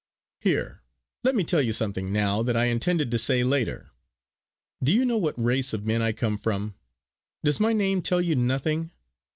Here! let me tell you something now, that I intended to say later. Do you know what race of men I come from? Does my name tell you nothing?